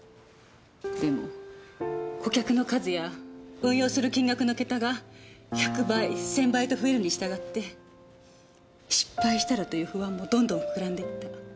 でも顧客の数や運用する金額の桁が１００倍１０００倍と増えるに従って失敗したらという不安もどんどん膨らんでいった。